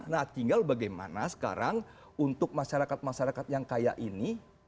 nah tinggal bagaimana sekarang untuk masyarakat masyarakat yang kaya ini